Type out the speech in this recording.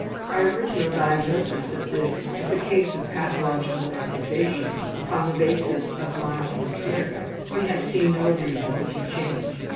Our original diagnosis of this as a case of pathological accusation upon the basis of mild hysteria we have seen no reason to change.